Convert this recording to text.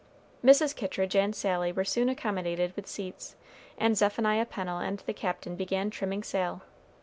Mrs. Kittridge and Sally were soon accommodated with seats, and Zephaniah Pennel and the Captain began trimming sail.